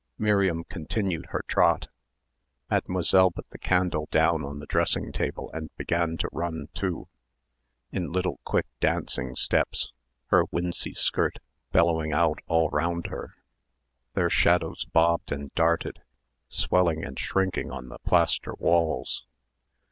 Miriam continued her trot. Mademoiselle put the candle down on the dressing table and began to run, too, in little quick dancing steps, her wincey skirt billowing out all round her. Their shadows bobbed and darted, swelling and shrinking on the plaster walls.